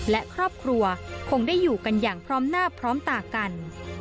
และครอบครัวคงได้อยู่กันอย่างพร้อมหน้าพร้อมตากัน